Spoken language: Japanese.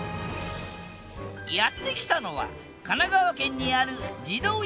やって来たのは神奈川県にある児童養護施設。